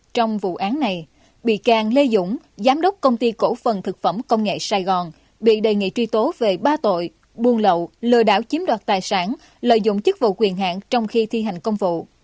trong vụ án này bị can lê dũng giám đốc công ty cổ phần thực phẩm công nghệ sài gòn bị đề nghị truy tố về ba tội buôn lậu lừa đảo chiếm đoạt tài sản lợi dụng chức vụ quyền hạn trong khi thi hành công vụ